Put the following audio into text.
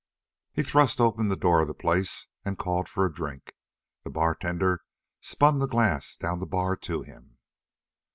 He thrust open the door of the place and called for a drink. The bartender spun the glass down the bar to him.